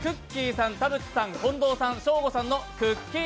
さん田渕さん、近藤さん、ショーゴさんのくっきー！